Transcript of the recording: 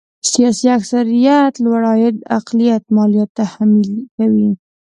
سیاسي اکثريت لوړ عاید اقلیت ماليات تحمیل کوي.